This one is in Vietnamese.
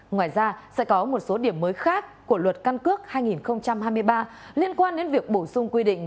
ngoài ra sẽ có một số điểm mới khác của luật căn cước hai nghìn hai mươi ba liên quan đến việc bổ sung quy định